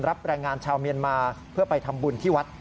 แรงงานชาวเมียนมาเพื่อไปทำบุญที่วัด